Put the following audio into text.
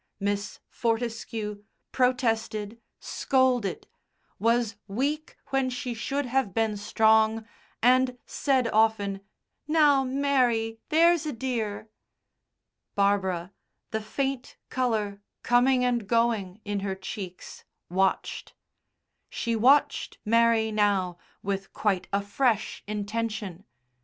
Miss Fortescue protested, scolded, was weak when she should have been strong, and said often, "Now, Mary, there's a dear." Barbara, the faint colour coming and going in her cheeks, watched. She watched Mary now with quite a fresh intention.